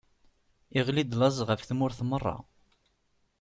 Iɣli-d laẓ ɣef tmura meṛṛa.